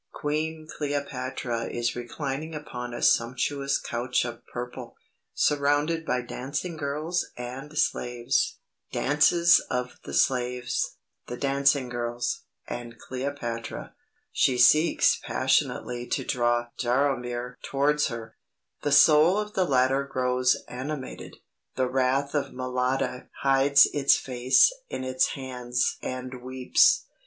Queen Cleopatra is reclining upon a sumptuous couch of purple, surrounded by dancing girls and slaves. Dances of the slaves, the dancing girls, and Cleopatra. She seeks passionately to draw Jaromir towards her; the soul of the latter grows animated; the wraith of Mlada hides its face in its hands and weeps.